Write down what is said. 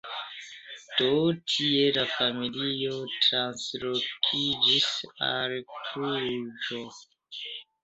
De tie la familio translokiĝis al Kluĵo.